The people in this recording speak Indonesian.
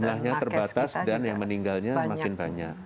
jumlahnya terbatas dan yang meninggalnya makin banyak